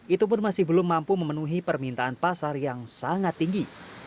itu pun masih belum mampu memenuhi permintaan pasar yang sangat tinggi